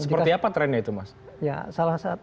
seperti apa trennya itu mas